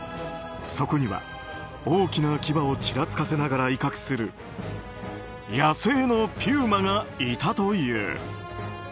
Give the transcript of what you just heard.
そこには大きな牙をちらつかせながら威嚇する野生のピューマがいたという。